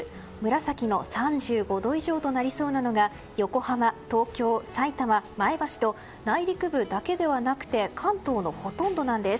紫の３５度以上となりそうなのが横浜、東京、さいたま、前橋と内陸部だけではなくて関東のほとんどなんです。